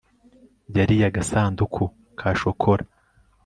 yariye agasanduku ka shokora